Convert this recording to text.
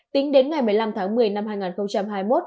tính đến ngày một mươi năm tháng một mươi năm hai nghìn hai mươi một